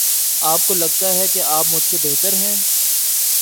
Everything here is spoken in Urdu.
آپ کو لگتا ہے کہ آپ مجھ سے بہتر ہیں۔